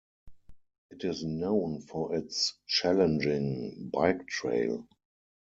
It is known for its challenging bike trail.